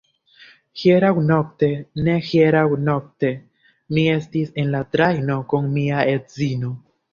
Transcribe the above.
Hieraŭ nokte, ne hieraŭ nokte, mi estis en la trajno kun mia edzino.